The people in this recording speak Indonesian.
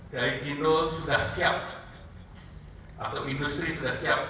gaikindo sudah siap atau industri sudah siap